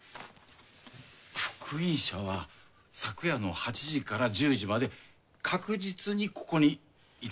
復員者は昨夜の８時から１０時まで確実にここにいたのですね？